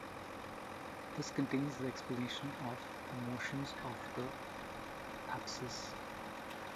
This contains the explanation of the motion of the apsis.